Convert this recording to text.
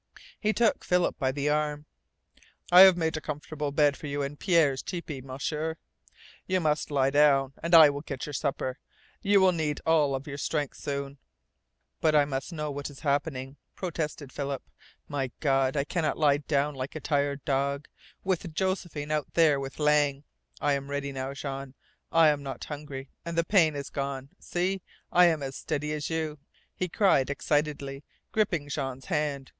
He took Philip by the arm. "I have made a comfortable bed for you in Pierre's tepee, M'sieur. You must lie down, and I will get your supper. You will need all of your strength soon." "But I must know what is happening," protested Philip. "My God, I cannot lie down like a tired dog with Josephine out there with Lang! I am ready now, Jean. I am not hungry. And the pain is gone. See I am as steady as you!" he cried excitedly, gripping Jean's hand.